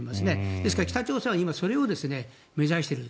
ですから、北朝鮮はそれを目指している。